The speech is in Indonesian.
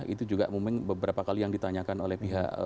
itu juga mungkin beberapa kali yang ditanyakan oleh pihak